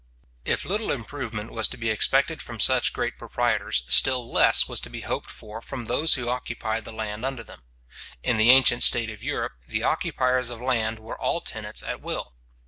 If little improvement was to be expected from such great proprietors, still less was to be hoped for from those who occupied the land under them. In the ancient state of Europe, the occupiers of land were all tenants at will.